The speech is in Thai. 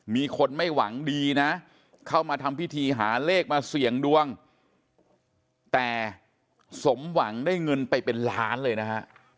มีคนไม่หวังดีนะเข้ามาทำพิธีหาเลขมาเสี่ยงดวงแต่สมหวังได้เงินไปเป็นล้านเลยนะฮะ